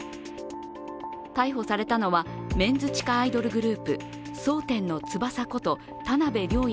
逮捕されたのはメンズ地下アイドルグループ、蒼天の翼こと田辺稜弥